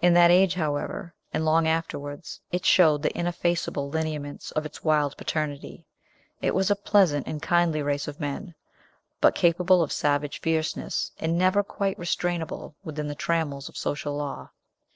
In that age, however, and long afterwards, it showed the ineffaceable lineaments of its wild paternity: it was a pleasant and kindly race of men, but capable of savage fierceness, and never quite restrainable within the trammels of social law.